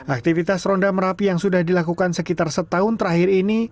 aktivitas ronda merapi yang sudah dilakukan sekitar setahun terakhir ini